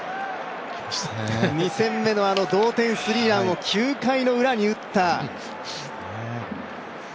２戦目のあの同点スリーランを９回ウラに打った。